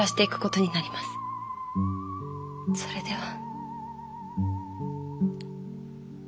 それでは。